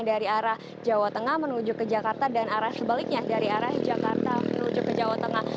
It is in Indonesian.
dari arah jawa tengah menuju ke jakarta dan arah sebaliknya dari arah jakarta menuju ke jawa tengah